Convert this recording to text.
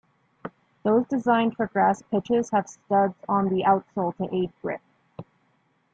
Those designed for grass pitches have studs on the outsole to aid grip.